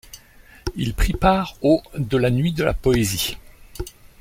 Il a pris part au de la Nuit de la Poésie.